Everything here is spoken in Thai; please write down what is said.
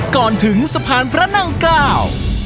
ก่อนถึงสะพานพระนั่งเกล้า